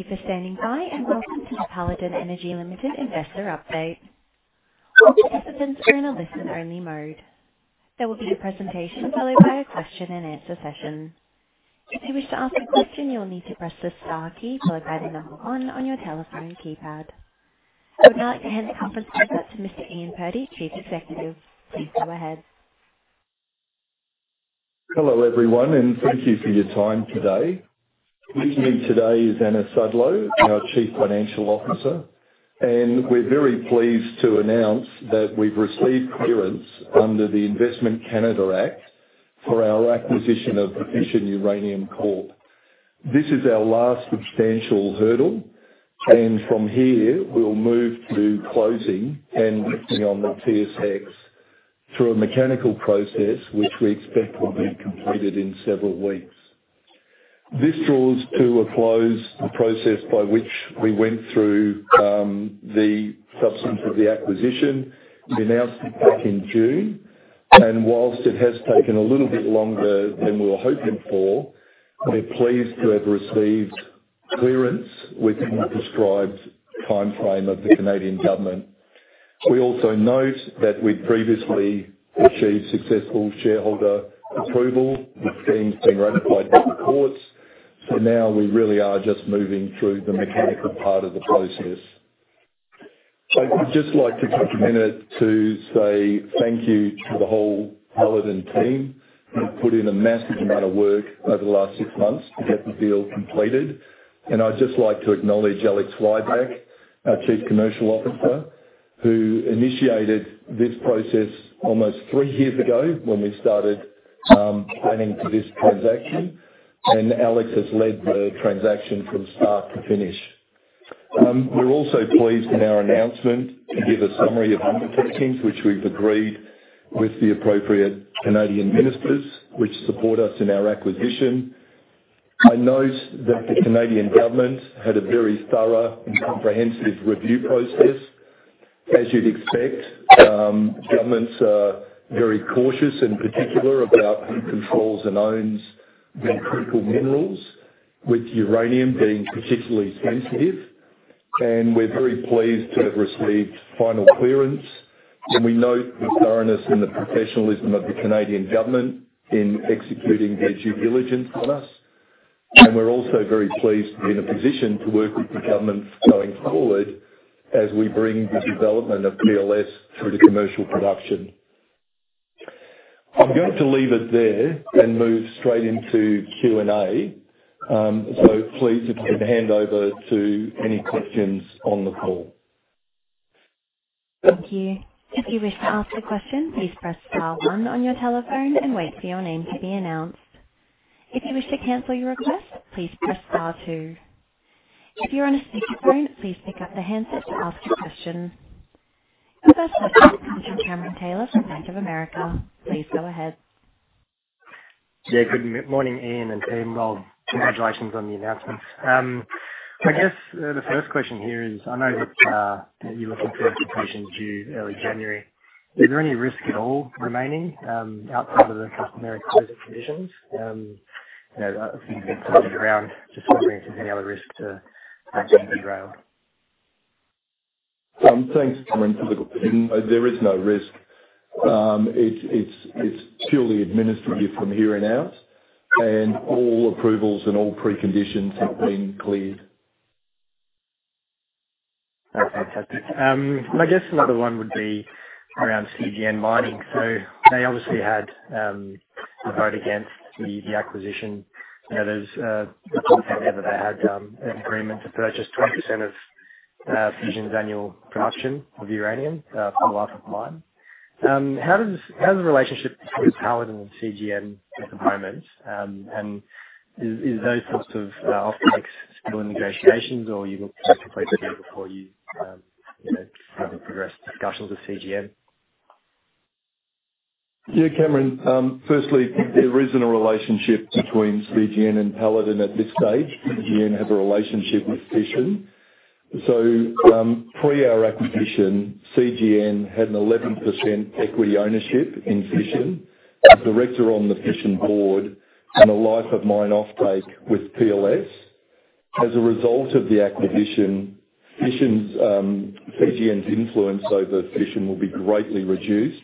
Thank you for standing by, and welcome to the Paladin Energy Limited investor update. All participants are in a listen-only mode. There will be a presentation followed by a question-and-answer session. If you wish to ask a question, you'll need to press the star key followed by the number one on your telephone keypad. I would now like to hand the conference over to Mr. Ian Purdy, Chief Executive. Please go ahead. Hello, everyone, and thank you for your time today. With me today is Anna Sudlow, our Chief Financial Officer, and we're very pleased to announce that we've received clearance under the Investment Canada Act for our acquisition of Fission Uranium Corp. This is our last substantial hurdle, and from here, we'll move to closing and listing on the TSX through a mechanical process which we expect will be completed in several weeks. This draws to a close, the process by which we went through the substance of the acquisition. We announced it back in June, and while it has taken a little bit longer than we were hoping for, we're pleased to have received clearance within the prescribed timeframe of the Canadian government. We also note that we'd previously achieved successful shareholder approval. The scheme's been ratified by the courts, so now we really are just moving through the mechanical part of the process. I'd just like to take a minute to say thank you to the whole Paladin team. They've put in a massive amount of work over the last six months to get the deal completed, and I'd just like to acknowledge Alex Rybak, our Chief Commercial Officer, who initiated this process almost three years ago when we started planning for this transaction, and Alex has led the transaction from start to finish. We're also pleased in our announcement to give a summary of undertakings which we've agreed with the appropriate Canadian ministers which support us in our acquisition. I note that the Canadian government had a very thorough and comprehensive review process. As you'd expect, governments are very cautious in particular about who controls and owns the critical minerals, with uranium being particularly sensitive, and we're very pleased to have received final clearance, and we note the thoroughness and the professionalism of the Canadian government in executing their due diligence on us, and we're also very pleased to be in a position to work with the government going forward as we bring the development of PLS through to commercial production. I'm going to leave it there and move straight into Q&A, so please just hand over to any questions on the call. Thank you. If you wish to ask a question, please press star one on your telephone and wait for your name to be announced. If you wish to cancel your request, please press star two. If you're on a speakerphone, please pick up the handset to ask your question. The first question comes from Cameron Taylor from Bank of America. Please go ahead. Yeah, good morning, Ian and team. Well, congratulations on the announcement. I guess the first question here is, I know that you're looking for applications due early January. Is there any risk at all remaining outside of the customary closing conditions? Something around discovering if there's any other risks to actually derail? Thanks, Cameron, for the question. No, there is no risk. It's purely administrative from here and out, and all approvals and all preconditions have been cleared. Fantastic. I guess another one would be around CGN Mining, so they obviously had a vote against the acquisition. There's a percentage that they had an agreement to purchase 20% of Fission's annual production of uranium for life of mine. How's the relationship between Paladin and CGN at the moment, and is those sorts of offtakes still in negotiations, or are you looking to complete the deal before you have any progressive discussions with CGN? Yeah, Cameron. Firstly, there isn't a relationship between CGN and Paladin at this stage. CGN have a relationship with Fission. So pre our acquisition, CGN had an 11% equity ownership in Fission, was director on the Fission board, and a life of mine offtake with PLS. As a result of the acquisition, CGN's influence over Fission will be greatly reduced.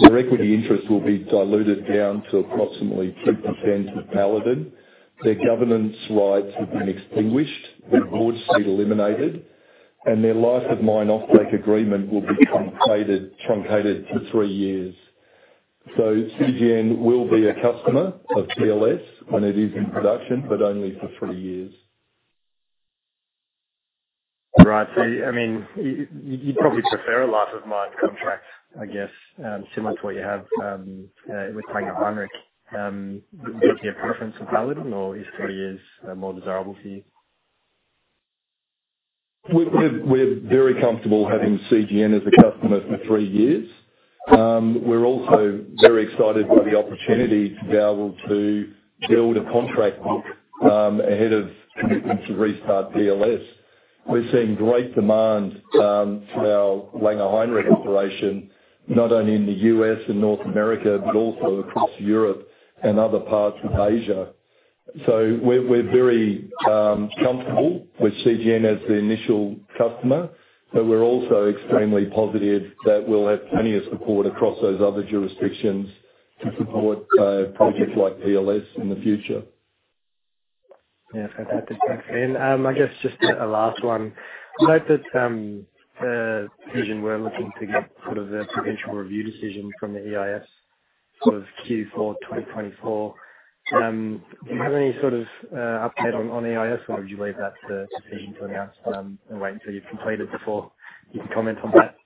Their equity interest will be diluted down to approximately 2% of Paladin. Their governance rights have been extinguished, their board seat eliminated, and their life of mine offtake agreement will be truncated to three years. So CGN will be a customer of PLS when it is in production, but only for three years. Right, so I mean, you'd probably prefer a Life of Mine contract, I guess, similar to what you have with Paladin Energy. Would you give preference to Paladin, or is three years more desirable for you? We're very comfortable having CGN as a customer for three years. We're also very excited by the opportunity to be able to build a contract book ahead of the restart of PLS. We're seeing great demand for our Langer Heinrich Mine, not only in the U.S. and North America, but also across Europe and other parts of Asia. So we're very comfortable with CGN as the initial customer, but we're also extremely positive that we'll have plenty of support across those other jurisdictions to support projects like PLS in the future. Yeah, fantastic. Thanks, Ian. I guess just a last one. I know that Fission were looking to get sort of a potential review decision from the EIS, sort of Q4 2024. Do you have any sort of update on EIS, or would you leave that decision to announce and wait until you've completed before you can comment on that?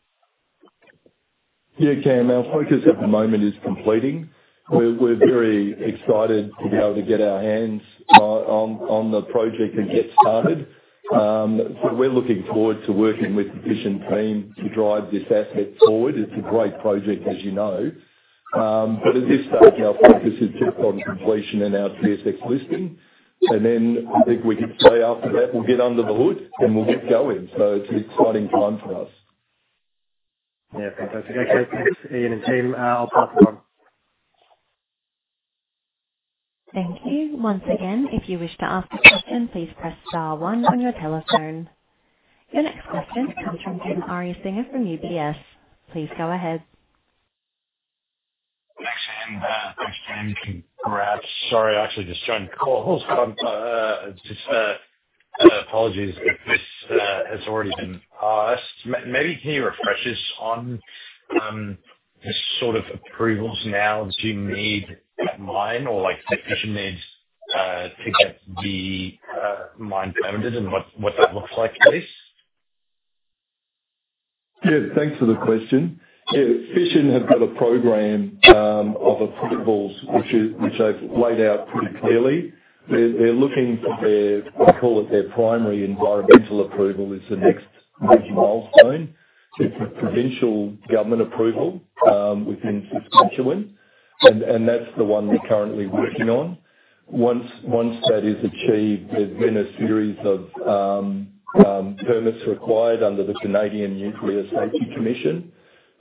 Yeah, Cameron. Our focus at the moment is completing. We're very excited to be able to get our hands on the project and get started. So we're looking forward to working with the Fission team to drive this asset forward. It's a great project, as you know. But at this stage, our focus is just on completion and our TSX listing. And then I think we can say after that we'll get under the hood and we'll get going. So it's an exciting time for us. Yeah, fantastic. Okay, thanks, Ian and team. I'll pass it on. Thank you. Once again, if you wish to ask a question, please press star one on your telephone. Your next question comes from Dim Ariyasinghe from UBS. Please go ahead. Thanks, Ian. Thanks, Tim. Congrats. Sorry, I actually just joined the call. Apologies if this has already been asked. Maybe can you refresh us on the sort of approvals now that you need at mine or that Fission needs to get the mine permitted and what that looks like at least? Yeah, thanks for the question. Fission has got a program of approvals which I've laid out pretty clearly. They're looking for their, we call it their primary environmental approval is the next major milestone. It's a provincial government approval within Saskatchewan, and that's the one we're currently working on. Once that is achieved, there's been a series of permits required under the Canadian Nuclear Safety Commission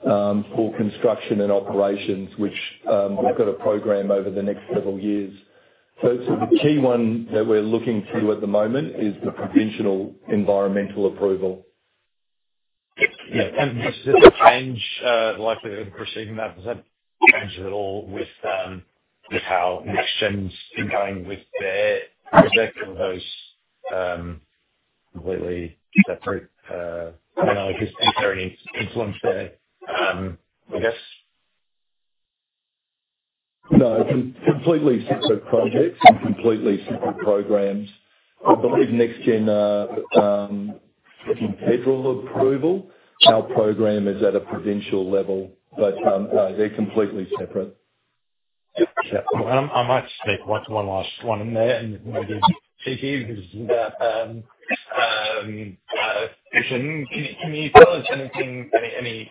for construction and operations, which they've got a program over the next several years. So the key one that we're looking to at the moment is the provincial environmental approval. Yeah, and is it a change likely that the proceeding that has changed at all with how NextGen's been going with their project or those completely separate? I mean, I guess does anything influence their, I guess? No, completely separate projects and completely separate programs. I believe NextGen are looking for federal approval. Our program is at a provincial level, but they're completely separate. Yeah, yeah. I might just take one last one in there and maybe just stick here because Fission, can you tell us anything, any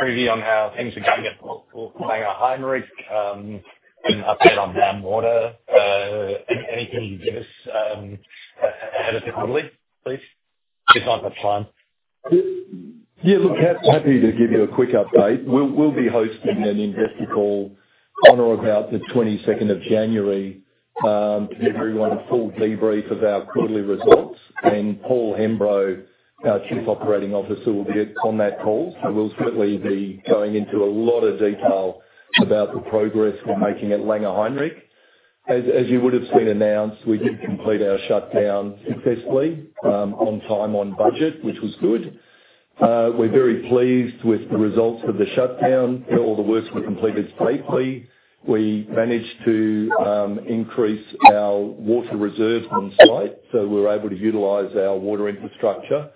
preview on how things are going at Langer Heinrich Mine and update on dam water? Anything you can give us ahead of the quarterly, please? If not, that's fine. Yeah, look, happy to give you a quick update. We'll be hosting an investor call on or about the 22nd of January to give everyone a full debrief of our quarterly results, and Paul Hemburrow, our Chief Operating Officer, will be on that call. So we'll certainly be going into a lot of detail about the progress we're making at Langer Heinrich Mine. As you would have seen announced, we did complete our shutdown successfully on time, on budget, which was good. We're very pleased with the results of the shutdown. All the work we completed safely. We managed to increase our water reserves on site, so we were able to utilize our water infrastructure.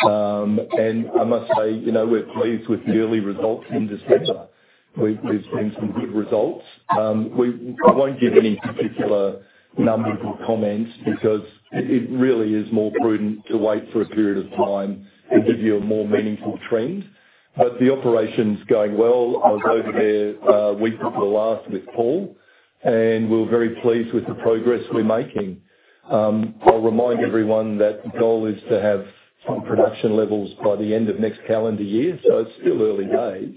And I must say, we're pleased with the early results in December. We've seen some good results. I won't give any particular numbers or comments because it really is more prudent to wait for a period of time to give you a more meaningful trend, but the operation's going well. I was over there a week before last with Paul, and we're very pleased with the progress we're making. I'll remind everyone that the goal is to have some production levels by the end of next calendar year, so it's still early days,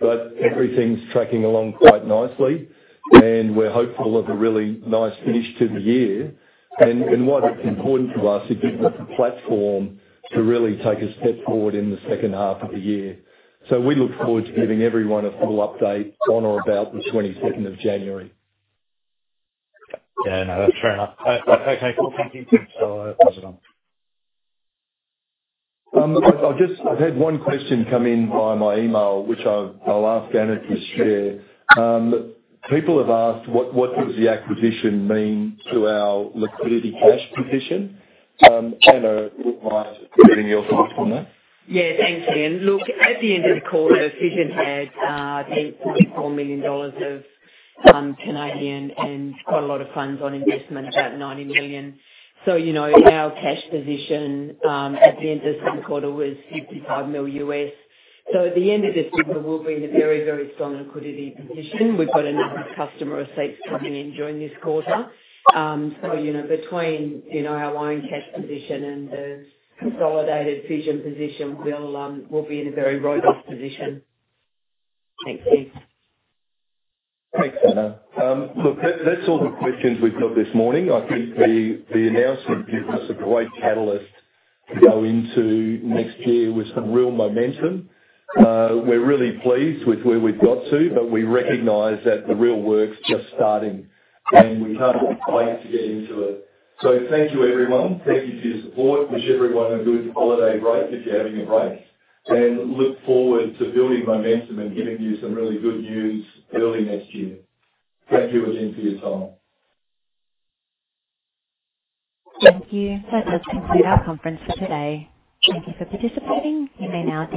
but everything's tracking along quite nicely, and we're hopeful of a really nice finish to the year, and why that's important to us is give us a platform to really take a step forward in the second half of the year, so we look forward to giving everyone a full update on or about the 22nd of January. Yeah, no, that's fair enough. Okay, cool. Thank you. So I'll pass it on. I've had one question come in by my email, which I'll ask Anna to share. People have asked what does the acquisition mean to our liquidity cash position? Anna, would you mind giving your thoughts on that? Yeah, thanks, Ian. Look, at the end of the quarter, Fission had 8.4 million dollars of Canadian and quite a lot of funds on investment, about 90 million. So our cash position at the end of this quarter was $55 million. So at the end of this quarter, we'll be in a very, very strong liquidity position. We've got a number of customer receipts coming in during this quarter. So between our own cash position and the consolidated Fission position, we'll be in a very robust position. Thanks, Ian. Thanks, Anna. Look, that's all the questions we've got this morning. I think the announcement gives us a great catalyst to go into next year with some real momentum. We're really pleased with where we've got to, but we recognize that the real work's just starting, and we can't wait to get into it. So thank you, everyone. Thank you for your support. Wish everyone a good holiday break if you're having a break, and look forward to building momentum and giving you some really good news early next year. Thank you again for your time. Thank you. That does conclude our conference for today. Thank you for participating. You may now.